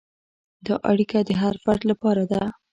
دا اړیکه د هر فرد لپاره ده.